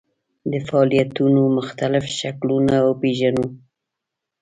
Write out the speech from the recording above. د فعالیتونو مختلف شکلونه وپېژنو.